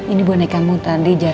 ini bonekamu tadi jatuh